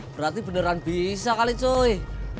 berarti beneran bisa kali cuy